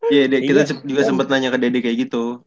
iya kita juga sempet nanya ke dede kayak gitu